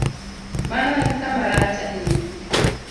Mano en kama rach ahinya